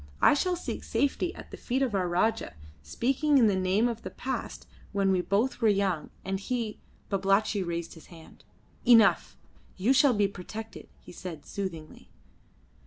I shall seek safety at the feet of our Rajah, speaking in the name of the past when we both were young, and he " Babalatchi raised his hand. "Enough. You shall be protected," he said soothingly.